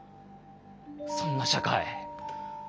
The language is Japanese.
そんな社会。